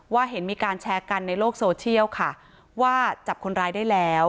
เห็นมีการแชร์กันในโลกโซเชียลค่ะว่าจับคนร้ายได้แล้ว